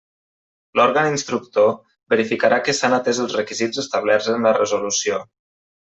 L'òrgan instructor verificarà que s'han atés els requisits establerts en la resolució.